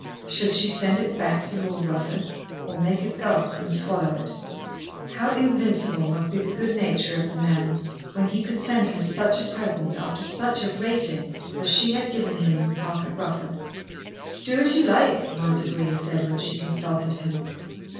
Should she send it back to Lord Rufford, or make a gulp and swallow it? How invincible must be the good nature of the man when he could send her such a present after such a rating as she had given him in the park at Rufford! "Do as you like," Mounser Green said when she consulted him.